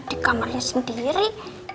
di kamarnya sendiri